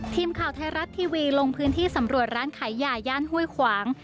ทีมข่าวไทยรัฐทีวีลงพื้นที่สำรวจร้านขายยาย่านห้วยขวาง